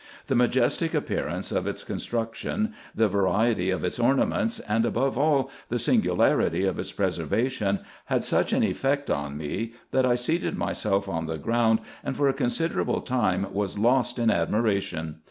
The majestic appearance of its construction, the variety of its ornaments, and, above all, the singularity of its preservation, had such an effect on me, that I seated myself on the ground, and for a considerable time was lost in admiration.